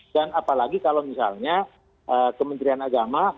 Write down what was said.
dan apalagi kalau misalnya kementerian agama